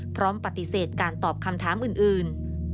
พร้อมปฏิเสธการตอบคำถามอื่น